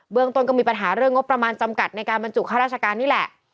เรื่องต้นก็มีปัญหาเรื่องงบประมาณจำกัดในการบรรจุค่าราชการนี่แหละ